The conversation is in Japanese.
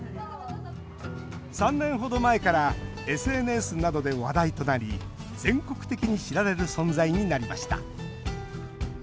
３年程前からＳＮＳなどで話題となり全国的に知られる存在になりました。